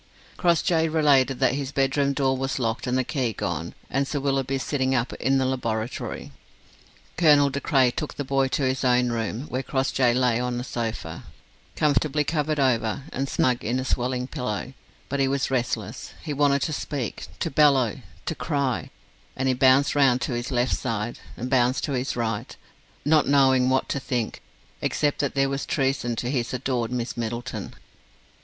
Crossjay related that his bedroom door was locked and the key gone, and Sir Willoughby sitting up in the laboratory. Colonel De Craye took the boy to his own room, where Crossjay lay on a sofa, comfortably covered over and snug in a swelling pillow; but he was restless; he wanted to speak, to bellow, to cry; and he bounced round to his left side, and bounced to his right, not knowing what to think, except that there was treason to his adored Miss Middleton.